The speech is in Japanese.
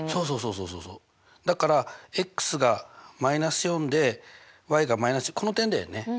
そうそうそうだからが−４でがこの点だよね。